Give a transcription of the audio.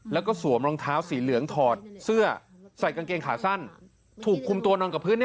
แล้วก็สวมรองเท้าสีเหลืองถอดเสื้อใส่กางเกงขาสั้นถูกคุมตัวนอนกับพื้น